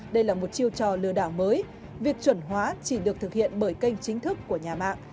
đây là một chiêu trò lừa đảo mới việc chuẩn hóa chỉ được thực hiện bởi kênh chính thức của nhà mạng